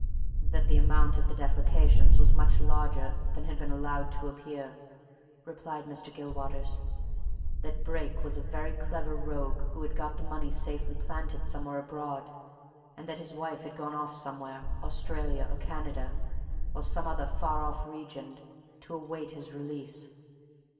"That the amount of the defalcations was much larger than had been allowed to appear," replied Mr. Gilwaters. "That Brake was a very clever rogue who had got the money safely planted somewhere abroad, and that his wife had gone off somewhere Australia, or Canada, or some other far off region to await his release.